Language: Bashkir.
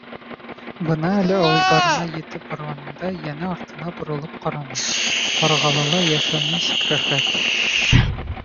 Бына әле ауылдарына етеп барғанында йәнә артына боролоп ҡараны: Ҡарғалыла йәшәү нисек рәхәт!